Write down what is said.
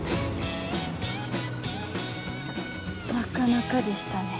なかなかでしたね。